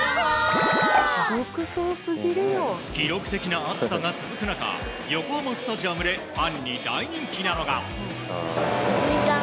記録的な暑さが続く中横浜スタジアムでファンに大人気なのが。